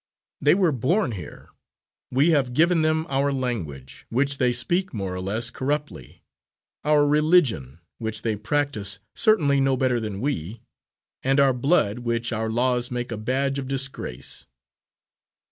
They were born here. We have given them our language which they speak more or less corruptly; our religion which they practise certainly no better than we; and our blood which our laws make a badge of disgrace.